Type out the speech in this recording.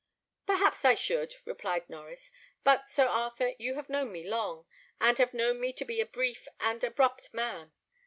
"Perhaps I should," replied Norries; "but, Sir Arthur, you have known me long, and have known me to be a brief and abrupt man.